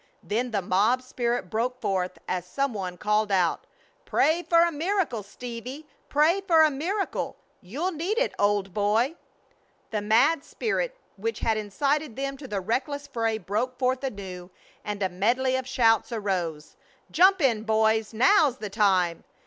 Then the mob spirit broke forth as some one called out: "Pray for a miracle, Stevie! Pray for a miracle! You'll need it, old boy!" The mad spirit which had incited them to the reckless fray broke forth anew and a medley of shouts arose. "Jump in, boys! Now's the time!"